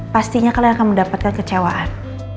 pastinya kalian akan mendapatkan kecewaan